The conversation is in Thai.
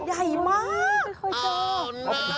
ใหญ่มากเลยเห่ยเคยเจออุลา